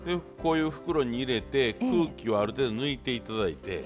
こういう袋に入れて空気をある程度抜いて頂いて。